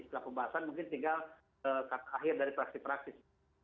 setelah pembahasan mungkin tinggal akhir dari praktik praktik